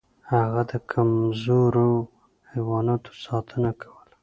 هغه د کمزورو حیواناتو ساتنه کوله.